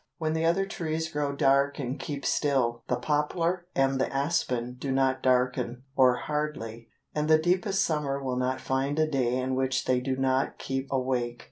When the other trees grow dark and keep still, the poplar and the aspen do not darken or hardly and the deepest summer will not find a day in which they do not keep awake.